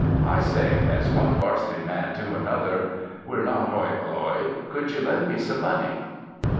"I say as one 'Varsity man to another we're not hoi polloi could you lend me some money?"